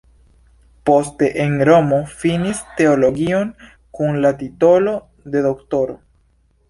Poste en Romo finis teologion kun la titolo de doktoro.